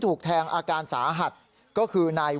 ถูกแทงตามร่างกายกว่า๑๐แห่งคุณจมกองเลือดแบบนี้นะครับ